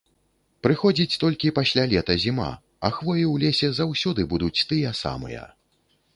Прыходзіць толькі пасля лета зіма, а хвоі ў лесе заўсёды будуць тыя самыя.